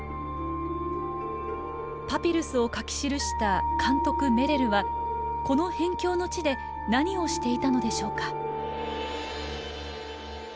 パピルスを書き記した監督メレルはこの辺境の地で何をしていたのでしょうか？